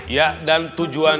ya dan tujuan